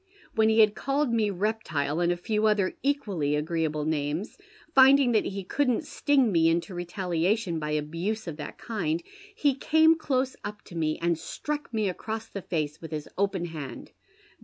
When he had called me reptile, and a few other equally agreeable names, finding that he couldn't sting me into retaliation by abuse of that kind, he came close up to me and struck me across the face with his open hand.